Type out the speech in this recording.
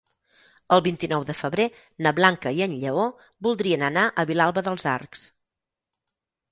El vint-i-nou de febrer na Blanca i en Lleó voldrien anar a Vilalba dels Arcs.